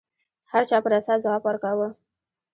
هر چا پر اساس ځواب ورکاوه